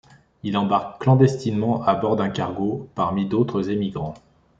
Il embarque clandestinement à bord d’un cargo, parmi d’autres émigrants.